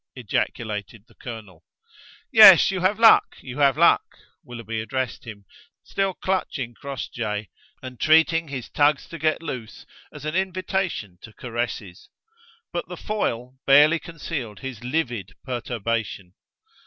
ejaculated the colonel. "Yes, you have luck, you have luck," Willoughby addressed him, still clutching Crossjay and treating his tugs to get loose as an invitation to caresses. But the foil barely concealed his livid perturbation.